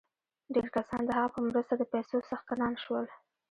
ډېر کسان د هغه په مرسته د پیسو څښتنان شول